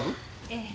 ええ。